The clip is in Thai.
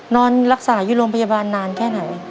นอนรักษาอยู่โรงพยาบาลนานแค่ไหน